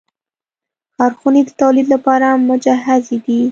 کارخونې د تولید لپاره مجهزې دي.